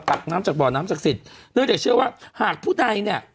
ตักน้ำจากบ่อน้ำศักดิ์สิทธิ์เนื่องจากเชื่อว่าหากผู้ใดเนี่ย